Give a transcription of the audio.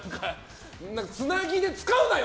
つなぎで使うなよ！